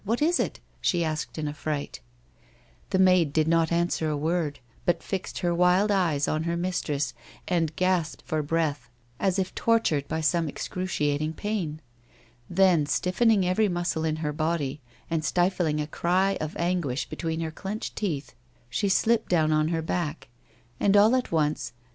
what is it?" she asked in alVright. Tlie maid did not answer a worii, but fixed her wild eyes on her mistress and gasped for breath, as if tortured by some excruciating pain. Then, stilVening every muscle in her body, and stilling a cry of anguish between her clenched tci^th, she slipped down on her back, ami all at once, some F 98 A WOMAN'S LIFE.